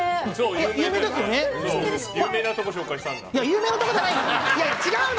有名なところ紹介したんだ。